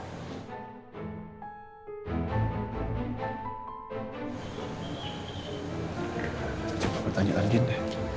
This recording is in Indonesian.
coba pertanyaan gini deh